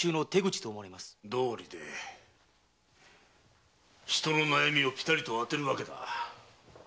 どうりで人の悩みをぴたりと当てるわけだな。